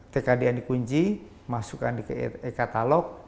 tkdn dikunci masukkan ke e katalog